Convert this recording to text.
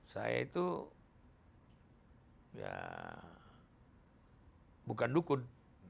saya itu ya bukan dukun